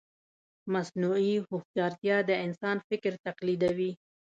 مصنوعي هوښیارتیا د انسان فکر تقلیدوي.